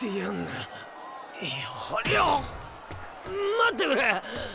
待ってくれ。